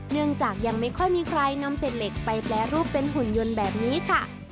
เนื่องจากยังไม่ค่อยมีใครนำเศษเหล็กไปแปรรูปเป็นหุ่นยนต์แบบนี้ค่ะ